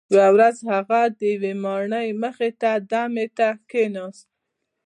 یوه ورځ هغه د یوې ماڼۍ مخې ته دمې ته کښیناست.